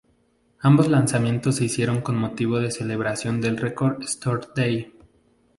Ambos lanzamientos se hicieron con motivo de la celebración del Record Store Day.